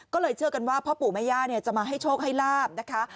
ก็เลยเชื่อกันว่าพ่อปู่แม่ย่าจะมาให้โชคให้ลาบนะคะ